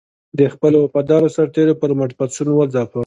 د خپلو وفادارو سرتېرو پر مټ پاڅون وځپه.